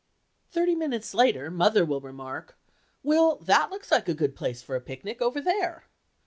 Thirty minutes later mother will remark, "Will, that looks like a good place for a picnic over there."